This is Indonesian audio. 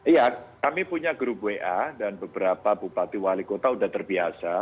iya kami punya grup wa dan beberapa bupati wali kota sudah terbiasa